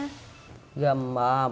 gồm bột gạo và bột thốt nốt